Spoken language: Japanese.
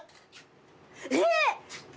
えっ⁉